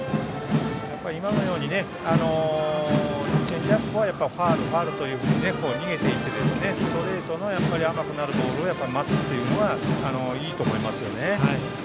今のようにチェンジアップをファウル、ファウルというふうに逃げていってストレートの甘くなるボールを待つというのがいいと思いますね。